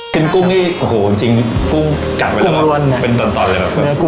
ชิ้นกุ้งนี่โอ้โหจริงจริงกุ้งกัดไว้แล้วเหรอเป็นตอนตอนเลยเหรอ